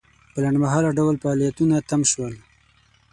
په لنډمهاله ډول فعالیتونه تم شول.